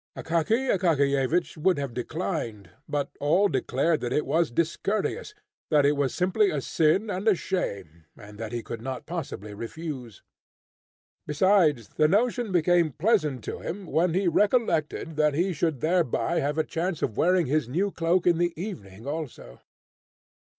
Akaky Akakiyevich would have declined; but all declared that it was discourteous, that it was simply a sin and a shame, and that he could not possibly refuse. Besides, the notion became pleasant to him when he recollected that he should thereby have a chance of wearing his new cloak in the evening also.